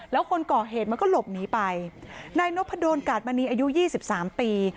แล้วคนก่อเหตุมันก็หลบหนีไปนายนพดลกาศบรรณีอายุ๒๓ปี